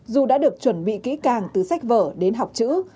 dù đã được chuẩn bị kỹ càng từ sách vở đến học chữ